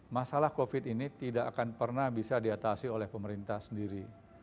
masalah covid ini tidak akan pernah bisa diatasi oleh pemerintah sendiri